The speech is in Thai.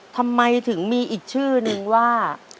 ทำไมถึงมีอีกชื่อนึงว่า